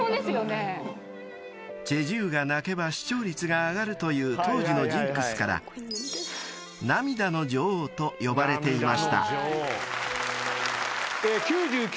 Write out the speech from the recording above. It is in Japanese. ［チェ・ジウが泣けば視聴率が上がるという当時のジンクスから涙の女王と呼ばれていました］